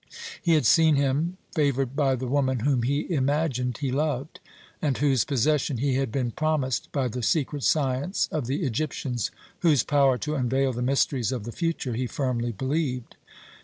He had seen him favoured by the woman whom he imagined he loved, and whose possession he had been promised by the secret science of the Egyptians, whose power to unveil the mysteries of the future he firmly believed.